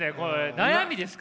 悩みですか？